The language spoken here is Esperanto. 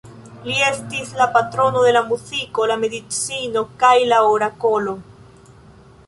Li estis la patrono de la muziko, la medicino, kaj la orakolo.